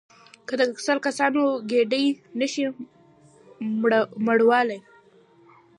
که د سل کسانو ګېډې نه شئ مړولای.